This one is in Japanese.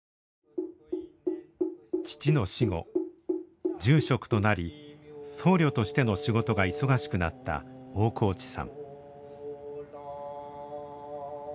父の死後住職となり僧侶としての仕事が忙しくなった大河内さん。